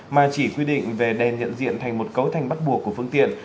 mà chỉ quy định về đèn nhận diện thành một cấu thành bắt buộc của phương tiện